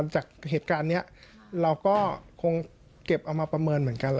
จากเหตุการณ์นี้เราก็คงเก็บเอามาประเมินเหมือนกัน